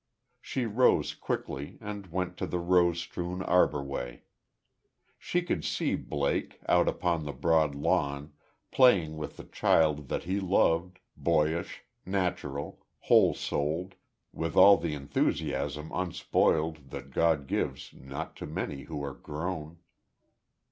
She rose, quickly, and went to the rose strewn arbor way. She could see Blake, out upon the broad lawn, playing with the child that he loved, boyish, natural, whole souled, with all the enthusiasm unspoiled that God gives not to many who are grown.